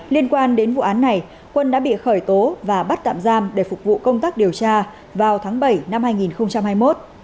liên quan đến vụ án này quân đã bị khởi tố và bắt tạm giam để phục vụ công tác điều tra vào tháng bảy năm hai nghìn hai mươi một